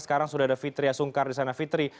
sekarang sudah ada fitri asungkar di sana fitri